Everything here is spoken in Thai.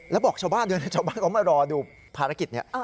แล้วบอกชาวบ้านด้วยนะชาวบ้านเขามารอดูภารกิจนี้